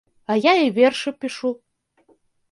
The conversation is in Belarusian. А я і вершы пішу.